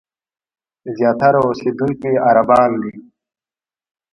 زیاتره اوسېدونکي یې عربان دي.